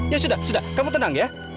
ya sudah sudah kamu tenang ya